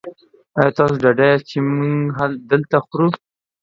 ایا تاسو ډاډه یاست چې موږ دلته خورو؟